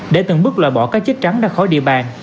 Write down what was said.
để từng bước loại bỏ các chết trắng ra khỏi địa bàn